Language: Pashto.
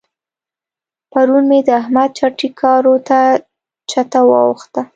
پرون مې د احمد چټي کارو ته چته واوښته.